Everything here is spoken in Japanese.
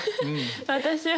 私は